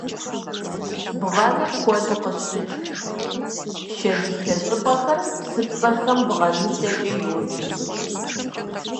Бгъэныр куэду къыщыкӏ шэдылъэ щӏыпӏэхэм, псыпцӏэхэм бгъэнылъэкӏэ йоджэ.